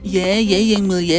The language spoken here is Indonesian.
ya ya yang mulia